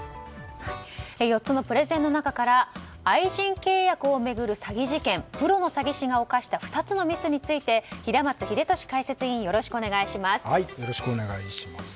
４つのプレゼンの中から愛人契約を巡る詐欺事件プロの詐欺師が犯した２つのミスについて平松秀敏解説委員、お願いします。